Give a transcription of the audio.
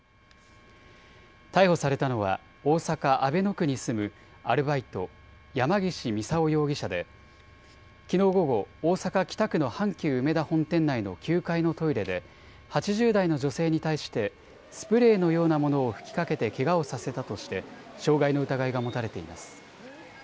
逮捕されたのは大阪阿倍野区に住むアルバイト、山ぎし操容疑者できのう午後、大阪北区の阪急うめだ本店内の９階のトイレで８０代の女性に対してスプレーのようなものを吹きかけてけがをさせたとして傷害の疑いが持たれています。